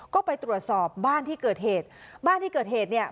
ก็ไปตรวจสอบบ้านที่เกิดเหตุบ้านที่เกิดเหตุเนี่ย